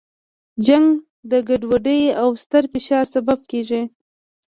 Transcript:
جنګ د ګډوډۍ او ستر فشار سبب کیږي.